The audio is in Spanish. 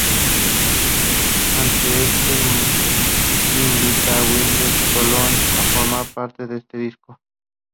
Ante esto, Masucci invita a Willie Colón a formar parte de este disco.